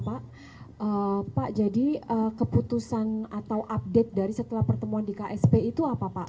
pak jadi keputusan atau update dari setelah pertemuan di ksp itu apa pak